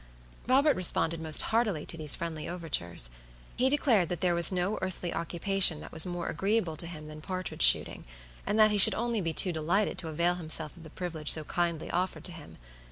Robert responded most heartily to these friendly overtures. He declared that there was no earthly occupation that was more agreeable to him than partridge shooting, and that he should be only too delighted to avail himself of the privilege so kindly offered to him.